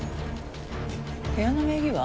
部屋の名義は？